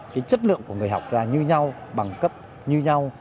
cái chất lượng của người học ra như nhau bằng cấp như nhau